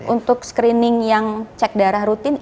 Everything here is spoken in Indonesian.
untuk screening yang cek darah rutin